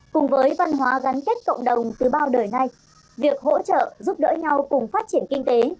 cùng với văn hóa gắn kết cộng đồng từ bao đời nay việc hỗ trợ giúp đỡ nhau cùng phát triển kinh tế